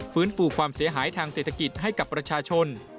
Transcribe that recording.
ฟูความเสียหายทางเศรษฐกิจให้กับประชาชน